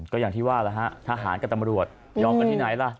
ก็อย่างที่ว่าแล้วฮะทหารกับตำรวจยอมกันที่ไหนล่ะ